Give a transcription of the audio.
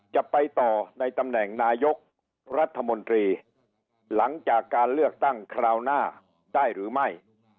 จะไปต่อในตำแหน่งนายกรัฐมนตรีหลังจากการเลือกตั้งคราวหน้าได้หรือไม่